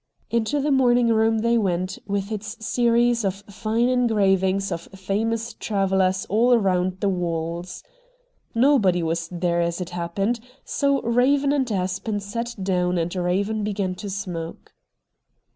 Into the morning room they went, with its series of fine engravings of famous travellers all round the walls. Nobody was there as it happened, so Eaven and Aspen sat down and Eaven began to smoke.